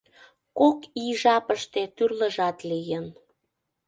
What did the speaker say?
Кок ий жапыште тӱрлыжат лийын.